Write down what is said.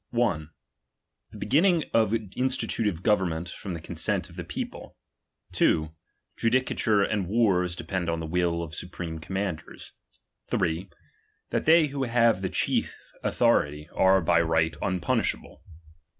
1, The beginning of institutive government from tlie consent of tlie people. 2. Judicature and wars depend on the will of su preme commanders, 8. That they who have the chief autho rity, are by right unpunishable.